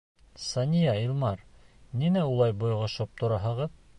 Сания, Илмар, ниңә улай бойоғошоп тораһығыҙ?